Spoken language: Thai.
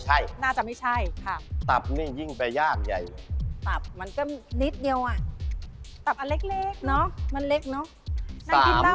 คิดว่าเป็นส่วนไหนดีคะ